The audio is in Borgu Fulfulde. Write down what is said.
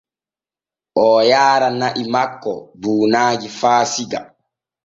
Oo yaara na’i makko buunaaji faa Siga.